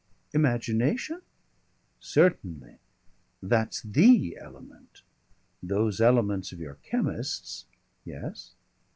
"Imagination?" "Certainly. That's the element. Those elements of your chemists " "Yes?"